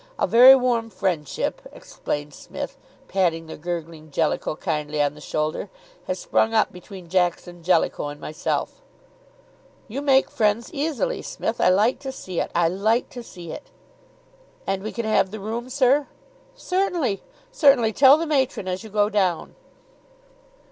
A very warm friendship " explained Psmith, patting the gurgling Jellicoe kindly on the shoulder, "has sprung up between Jackson, Jellicoe and myself." "You make friends easily, Smith. I like to see it I like to see it." "And we can have the room, sir?" "Certainly certainly! Tell the matron as you go down."